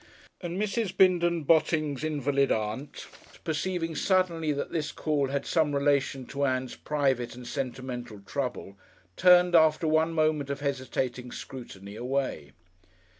And Mrs. Bindon Botting's invalid Aunt, perceiving suddenly that this call had some relation to Ann's private and sentimental trouble, turned, after one moment of hesitating scrutiny, away.